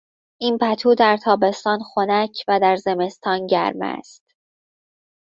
این پتو در تابستان خنک و در زمستان گرم است.